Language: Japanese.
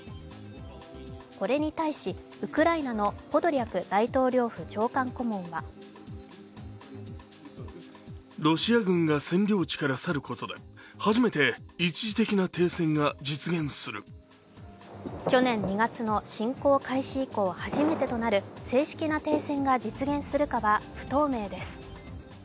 これに対しウクライナのポドリャク大統領府長官顧問は去年２月の侵攻開始以降初めてとなる正式な停戦が実現するかは不透明です。